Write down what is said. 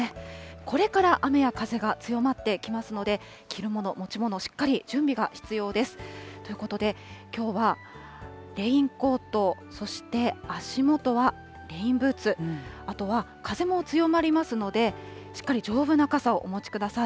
これから雨や風が強まってきますので、着るもの、持ち物、しっかり準備が必要です。ということで、きょうはレインコート、そして足元はレインブーツ、あとは風も強まりますので、しっかり丈夫な傘をお持ちください。